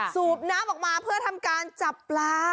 สูบน้ำออกมาเพื่อทำการจับปลา